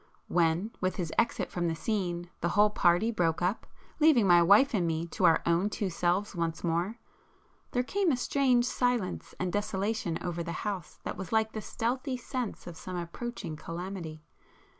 When, with his exit from the scene, the whole party broke up, leaving my wife and me to our own two selves once more, there came a strange silence and desolation over the house that was like the stealthy sense of some approaching calamity.